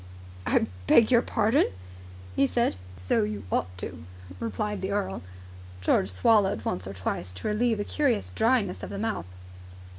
"I beg your pardon?" he said. "So you ought to," replied the earl. George swallowed once or twice to relieve a curious dryness of the mouth.